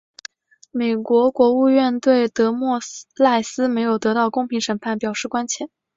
美国国务院对德莫赖斯没有得到公平审判表示关切。